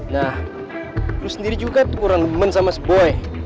nah lo sendiri juga kurang lemben sama seboy